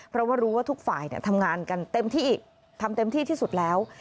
เพราะว่ารู้ว่าทุกฝ่ายทำงานกันเต็มที่ทำเต็มที่ที่สุดแล้ว